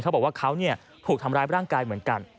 เขาบอกว่าเขาถูกทำร้ายร่างกายเหมือนกัน